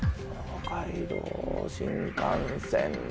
東海道新幹線で。